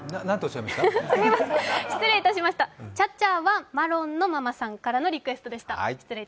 ちゃちゃはマロンのママさんからのリクエストでした。